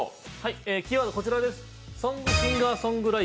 キーワードはこちらです。